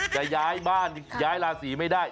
จะย้ายบ้านย้ายราศีไม่ได้